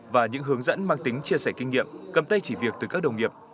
và những hướng dẫn mang tính chia sẻ kinh nghiệm cầm tay chỉ việc từ các đồng nghiệp